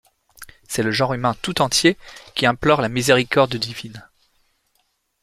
C'est le genre humain tout entier qui implore la miséricorde divine.